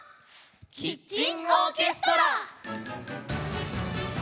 「キッチンオーケストラ」！